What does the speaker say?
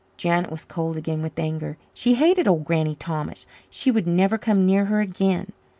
Janet was cold again with anger. She hated old Granny Thomas. She would never come near her again.